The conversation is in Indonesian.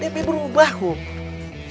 debbie berubah kom